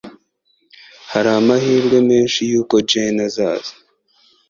Hari amahirwe menshi yuko Jane azaza.